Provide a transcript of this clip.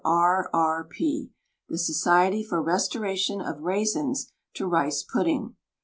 R. R. P, — the Society for Restoration of Raisins to Rice Pudding.